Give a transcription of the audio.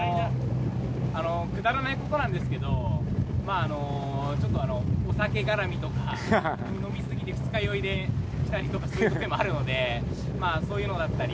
くだらないことなんですけど飲みすぎて二日酔いで来たりとかするときもあるのでそういうのだったり。